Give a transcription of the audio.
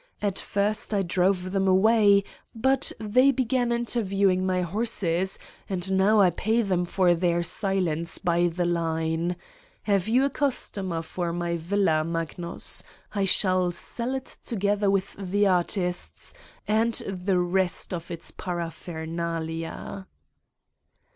At first I drove them away but they began inter viewing my horses and now I pay them for their silence by the line. Have you a customer for my villa, Magnus? I shall sell it together with the artists and the rest of its paraphernalia."